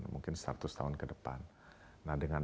mungkin seratus tahun ke depan nah dengan